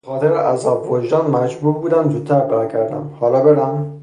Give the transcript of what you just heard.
به خاطر عذاب وجدان مجبور بودم زودتر برگردم. حالا برم؟